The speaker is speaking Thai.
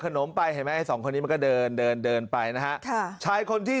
ขนมไปเห็นไหมไอ้สองคนนี้มันก็เดินเดินเดินไปนะฮะค่ะชายคนที่